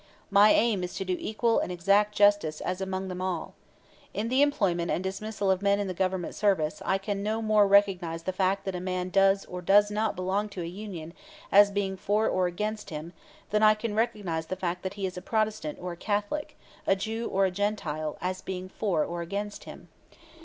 My aim is to do equal and exact justice as among them all. In the employment and dismissal of men in the Government service I can no more recognize the fact that a man does or does not belong to a union as being for or against him than I can recognize the fact that he is a Protestant or a Catholic, a Jew or a Gentile, as being for or against him.